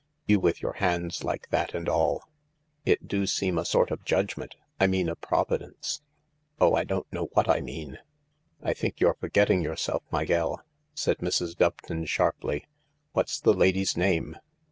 " You with your hands like that and all. It do seem a sort of judgment — I mean a provi dence. Oh, I don't know what I mean I "" I think you're forgetting yourself, my gell," said Mrs. Doveton sharply. "What's the lady's name